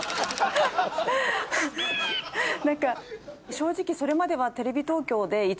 正直それまでは。